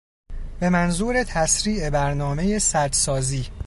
به منظور تسریع برنامهی سد سازی